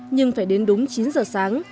nhưng phải đến đúng chín giờ sáng